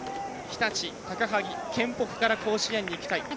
日立、高萩、県北から甲子園に行きたい。